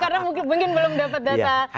karena mungkin belum dapat data